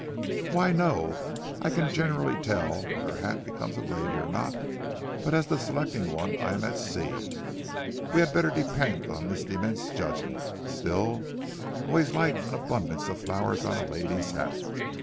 "'Why, no, I can generally tell whether a hat becomes a lady or not, but as to selecting one I am at sea. We had better depend on Miss De Ment's judgment. Still, I always like an abundance of flowers on a lady's hat.